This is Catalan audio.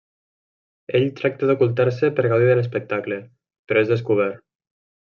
Ell tracta d'ocultar-se per gaudir de l'espectacle, però és descobert.